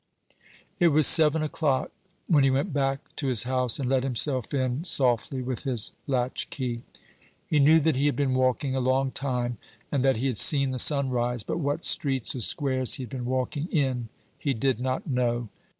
It was seven o'clock when he went back to his house, and let himself in softly with his latchkey. He knew that he had been walking a long time, and that he had seen the sun rise; but what streets or squares he had been walking in he did not know.